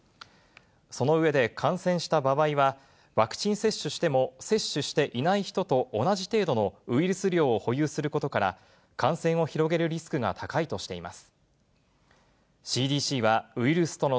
その上で、感染した場合は、ワクチン接種しても、接種していない人と同じ程度のウイルス量を保有することから、感染を広げるリスクが高いとしています。